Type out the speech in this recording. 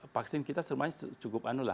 vaksin kita semuanya cukup anul lah